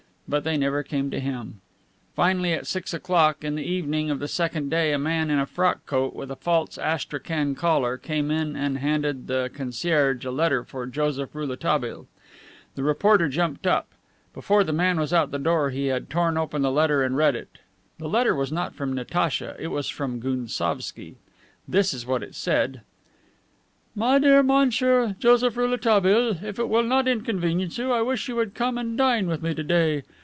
But they never came for him. Finally, at six o'clock in the evening of the second day, a man in a frock coat, with a false astrakhan collar, came in and handed the concierge a letter for Joseph Rouletabille. The reporter jumped up. Before the man was out the door he had torn open the letter and read it. The letter was not from Natacha. It was from Gounsovski. This is what it said: "My dear Monsieur Joseph Rouletabille, if it will not inconvenience you, I wish you would come and dine with me to day.